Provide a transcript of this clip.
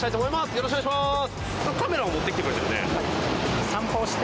よろしくお願いします！